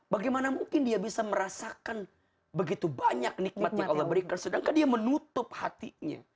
bagaimana mungkin dia bisa merasakan begitu banyak nikmat yang allah berikan sedangkan dia menutup hatinya